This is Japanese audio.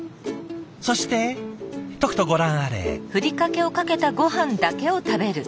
そしてとくとご覧あれ。